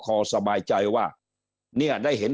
สบายใจว่าเนี่ยได้เห็น